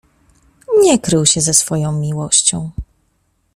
"Nie krył się ze swoją miłością."